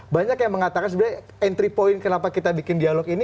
banyak yang mengatakan sebenarnya entry point kenapa kita bikin dialog ini